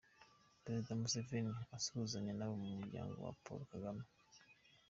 Perezida Museveni asuhuzanya n’abo mu muryango wa Paul Kagame.